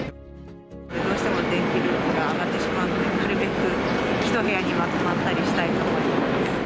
どうしても電気料金が上がってしまうので、なるべく１部屋にまとまったりしたいと思ってます。